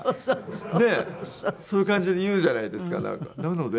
そういう感じで言うじゃないですかなんか。